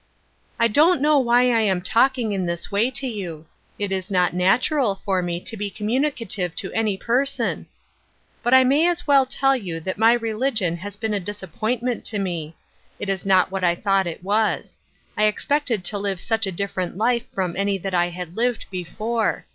" I don't know why I am talking in this way to you ; it is not natural for me to be communi cative to any person ; but I may as well tell you that my religion has been a disappointment to me. It is not what I thought it was. I ex pected to live such a different life from any that I had lived before.